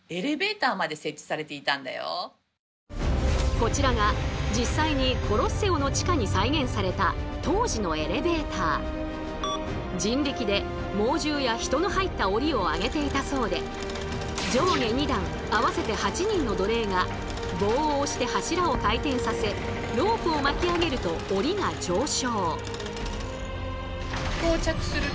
こちらが実際にコロッセオの地下に人力で猛獣や人の入った檻を上げていたそうで上下２段合わせて８人の奴隷が棒を押して柱を回転させロープを巻き上げると檻が上昇。